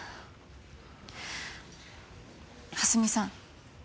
蓮見さん